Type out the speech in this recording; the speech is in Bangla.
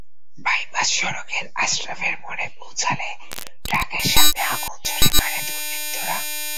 বাইপাস সড়কের আশরাফের মোড়ে পৌঁছালে ট্রাকের সামনে আগুন ছুড়ে মারে দুর্বৃত্তরা।